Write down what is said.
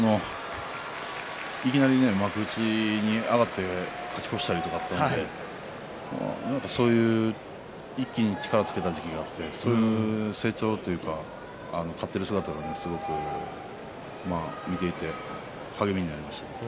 いきなり幕内に上がって勝ち越したりとか一気に力をつけた時期があってそういう成長というか勝っている姿がすごく見ていて励みになりました。